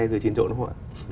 dưới trên chỗ đúng không ạ